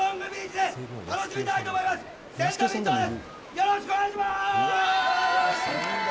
よろしくお願いします！